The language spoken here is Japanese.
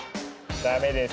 ダメです！